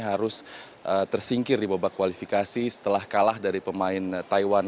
harus tersingkir di babak kualifikasi setelah kalah dari pemain taiwan